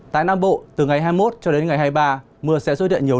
tại nam bộ từ ngày hai mươi một cho đến ngày hai mươi ba mưa sẽ xuất hiện nhiều